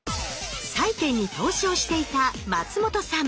債券に投資をしていた松本さん。